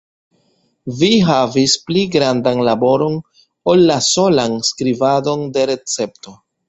Vi havis pli grandan laboron, ol la solan skribadon de recepto.